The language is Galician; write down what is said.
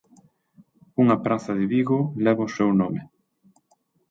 Unha praza de Vigo leva o seu nome.